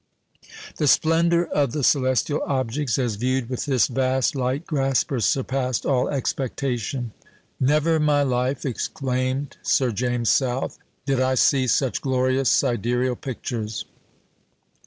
The splendour of the celestial objects as viewed with this vast "light grasper" surpassed all expectation. "Never in my life," exclaimed Sir James South, "did I see such glorious sidereal pictures."